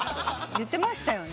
言ってましたよね？